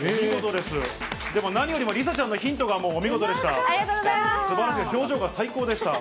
でも何よりも梨紗ちゃんのヒントがお見事でした。